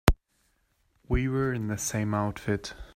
We were in the same outfit.